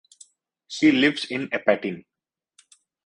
She lives in Apatin.